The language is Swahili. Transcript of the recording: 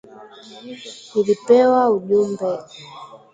nilipewa ujumbe